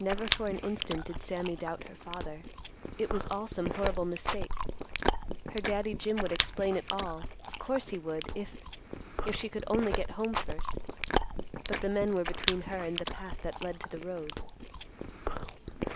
Never for an instant did Sammy doubt her father. It was all some horrible mistake. Her Daddy Jim would explain it all. Of course he would, if—if she could only get home first. But the men were between her and the path that led to the road.